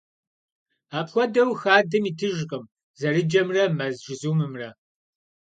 Апхуэдэу, хадэм итыжкъым зэрыджэмрэ мэз жызумымрэ.